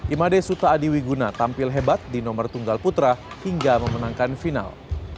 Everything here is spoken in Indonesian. imade suta adiwiguna tampil hebat di nomor tunggal putra hingga memenangkan final